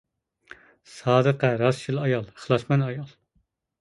سادىقە : راستچىل ئايال، ئىخلاسمەن ئايال.